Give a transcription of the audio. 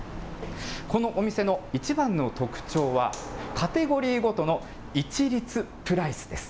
このお店の一番の特徴は、カテゴリーごとの一律プライスです。